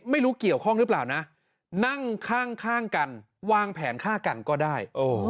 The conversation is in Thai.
ไม่รู้เกี่ยวข้องหรือเปล่านะนั่งข้างกันวางแผนฆ่ากันก็ได้